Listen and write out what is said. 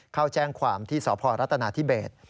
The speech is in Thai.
เข้าแจ้งความที่สพรัฐนาธิเบศ